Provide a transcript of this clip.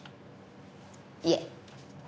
いえ。